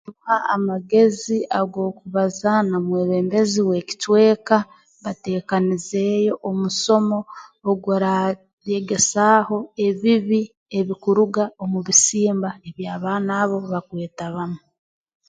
uha amagezi ag'okubazaaho n'omwebembezi w'ekicweka bateekanizeeyo omusomo oguraayegesaaho ebibi ebikuruga omu bisimba eby'abaana abo bakwetabamu